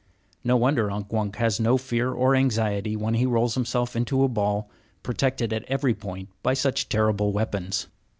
No wonder Unk Wunk has no fear or anxiety when he rolls himself into a ball, protected at every point by such terrible weapons.